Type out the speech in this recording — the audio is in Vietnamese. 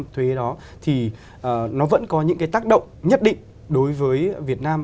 thuế đó thì nó vẫn có những cái tác động nhất định đối với việt nam